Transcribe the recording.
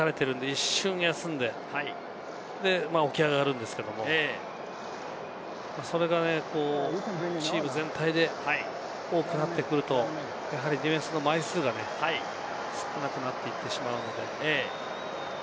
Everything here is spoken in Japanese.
一瞬休んで起き上がるんですけれども、それがチーム全体で多くなってくるとやはりディフェンスの枚数が少なくなっていってしまう。